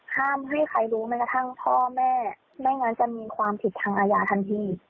ห้ามให้ใครรู้แม้กระทั่งพ่อแม่ไม่งั้นจะมีความผิดทางอาญาทันที